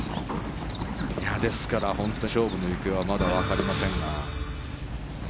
ですから、本当に勝負の行方はまだわかりませんが。